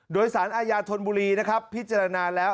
โดยสารอาญาธนบุรีนะครับพิจารณาแล้ว